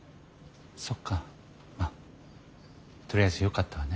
そっかまあとりあえずよかったわね。